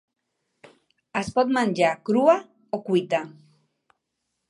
Es pot menjar crua o cuita.